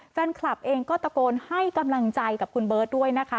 แฟนคลับเองก็ตะโกนให้กำลังใจกับคุณเบิร์ตด้วยนะคะ